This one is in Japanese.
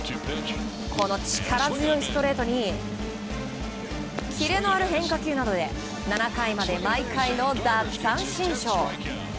この力強いストレートにキレのある変化球などで７回まで毎回の奪三振ショー。